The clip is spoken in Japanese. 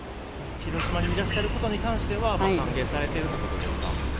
広島にいらっしゃることに関しては、歓迎されているということですか？